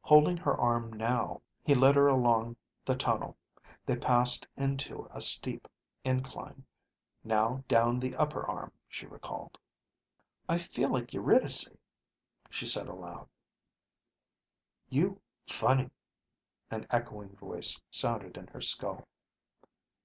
Holding her arm now, he led her along the tunnel. They passed into a steep incline. Now down the upper arm, she recalled. "I feel like Eurydice," she said aloud. You ... funny ... an echoing voice sounded in her skull.